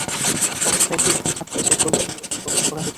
অবস্থা একই রকম থাকলে শেষ পর্যায়ে নির্বাচন বর্জন করা হতে পারে।